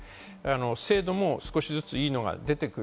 精度も少しずついいのが出てくる。